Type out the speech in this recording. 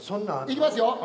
いきますよ。